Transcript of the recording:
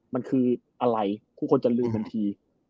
มันคืออะไรทุกคนจะลืมทันที